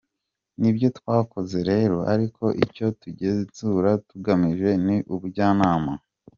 Ni byo twakoze rero, ariko icyo tugenzura tugamije ni ubujyanama.